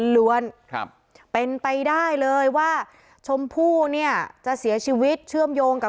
ล้วนครับเป็นไปได้เลยว่าชมพู่เนี่ยจะเสียชีวิตเชื่อมโยงกับ